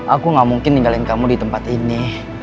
aku gak mungkin ninggalin kamu di tempat ini